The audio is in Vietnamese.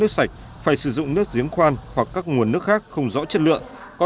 xin chào và hẹn gặp lại